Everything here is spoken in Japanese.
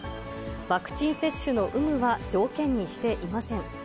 ワクチン接種の有無は条件にしていません。